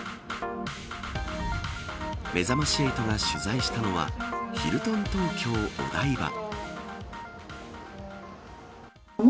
めざまし８が取材したのはヒルトン東京お台場。